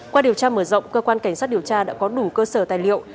qua điều tra mở rộng cơ quan cảnh sát điều tra đã có đủ cơ sở tài liệu